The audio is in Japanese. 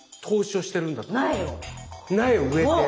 苗を植えて。